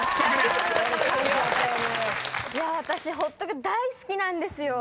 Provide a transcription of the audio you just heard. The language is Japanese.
いや私「ホットク」大好きなんですよ。